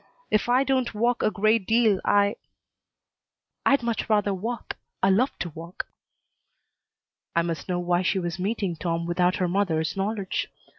If I don't walk a great deal I " "I'd much rather walk. I love to walk." I must know why she was meeting Tom without her mother's knowledge.